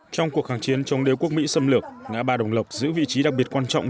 trong cuộc kháng chiến chống đế quốc mỹ xâm lược ngã ba đồng lộc giữ vị trí đặc biệt quan trọng